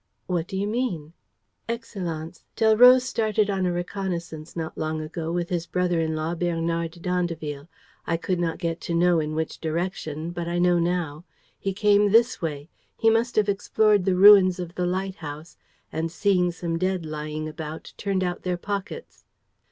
"What do you mean?" "Excellenz, Delroze started on a reconnaissance not long ago with his brother in law, Bernard d'Andeville. I could not get to know in which direction, but I know now. He came this way. He must have explored the ruins of the lighthouse and, seeing some dead lying about, turned out their pockets."